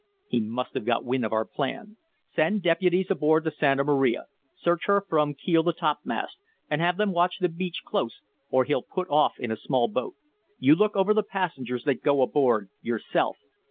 "He must have got wind of our plan. Send deputies aboard the Santa Maria; search her from keel to topmast, and have them watch the beach close or he'll put off in a small boat. You look over the passengers that go aboard yourself.